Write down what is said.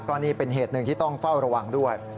ก็นี่เป็นเหตุหนึ่งที่ต้องเฝ้าระวังด้วย